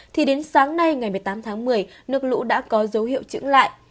thì đến sáng nay ngày một mươi tám tháng một mươi nước lũ đã có dấu hiệu trứng lại